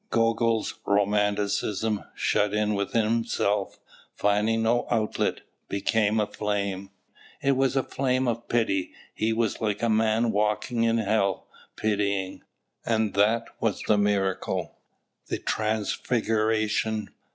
Gogol's romanticism, shut in within himself, finding no outlet, became a flame. It was a flame of pity. He was like a man walking in hell, pitying. And that was the miracle, the transfiguration.